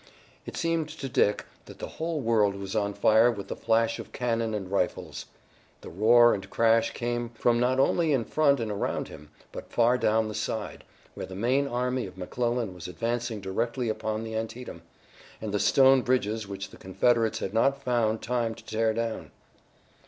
It seemed to Dick that the whole world was on fire with the flash of cannon and rifles. The roar and crash came from not only in front and around him, but far down the side, where the main army of McClellan was advancing directly upon the Antietam, and the stone bridges which the Confederates had not found time to tear down.